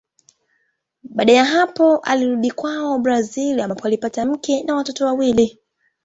Baada ya hapo alirudi kwao Brazili ambapo alipata mke na watoto wawili.